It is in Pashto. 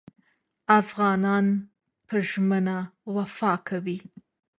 افغانان په ژمنه وفا کوي.